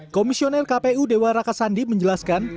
komisioner kpu dewa raka sandi menjelaskan